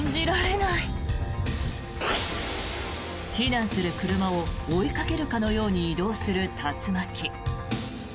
避難する車を追いかけるかのように移動する竜巻。